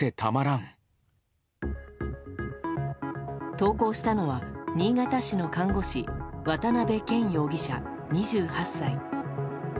投稿したのは、新潟市の看護師渡辺健容疑者、２８歳。